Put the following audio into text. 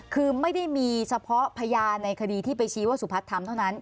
คือไม่ได้มีเฉพาะพยานในคดีที่ไปชี้ว่าสุพัฒน์ทำเท่านั้น